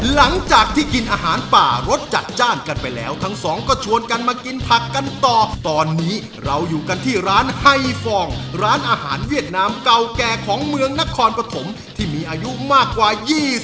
หลังจากที่กินอาหารป่ารสจัดจ้านกันไปแล้วทั้งสองก็ชวนกันมากินผักกันต่อตอนนี้เราอยู่กันที่ร้านไฮฟองร้านอาหารเวียดนามเก่าแก่ของเมืองนครปฐมที่มีอายุมากกว่า๒๐